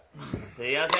すいません。